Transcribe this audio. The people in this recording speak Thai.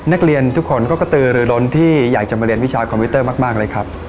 นักเรียนทุกคนก็กระตือหรือล้นที่อยากจะมาเรียนวิชาคอมพิวเตอร์มากเลยครับ